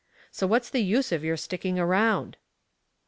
So what's the use of your sticking around?"